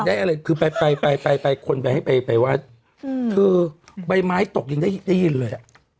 ได้อะไรคือไปไปไปคนไปให้ไปไปวัดคือใบไม้ตกยังได้ยินเลยอ่ะ